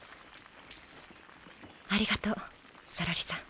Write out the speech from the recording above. ありがとうゾロリさん。